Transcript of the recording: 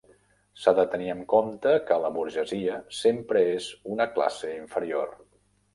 S'ha de tenir en compte que la burgesia sempre és una classe inferior.